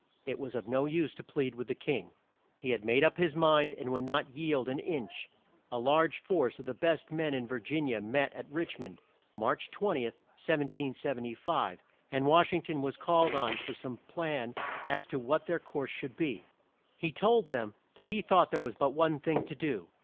It was of no use to plead with the king. He had made up his mind and would not yield an inch. A large force of the best men in Vir gin i a met at Rich mond, March 20, 1775, and Wash ing ton was called on for some plan as to what their course should be. He told them that he thought there was but one thing to do.